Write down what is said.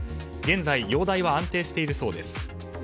現在、容体は安定しているそうです。